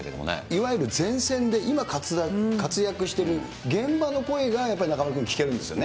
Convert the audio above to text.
いわゆる前線で今活躍している現場の声がやっぱり中丸君、聞けるんですよね。